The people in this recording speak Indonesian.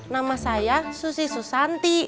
nama saya susi susanti